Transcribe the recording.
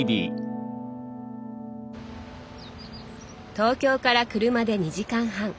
東京から車で２時間半。